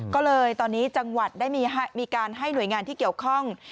ก็เลยตอนนี้จังหวัดได้มีการให้หน่วยงานที่เกี่ยวข้อง